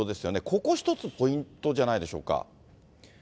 ここ一つ、ポイントじゃないでしょうか。